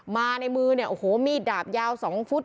มาในมือเนี่ยโอ้โหมีดดาบยาว๒ฟุต